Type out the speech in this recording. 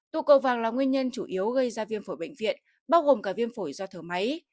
tụ cầu vàng là nguyên nhân chủ yếu gây ra viêm phổi bệnh viện bao gồm cả viêm phổi do thở máy